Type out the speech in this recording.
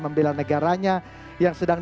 membela negaranya yang sedang